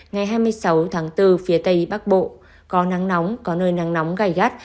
ngày hai mươi sáu tháng bốn phía tây bắc bộ có nắng nóng có nơi nắng nóng gai gắt